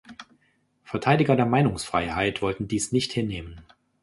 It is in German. Verteidiger der Meinungsfreiheit wollten dies nicht hinnehmen.